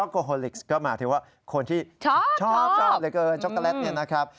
ก็หมายถึงว่าคนที่ชอบชอบชอบช็อปช็อคโกแลตเลยเกินนะครับ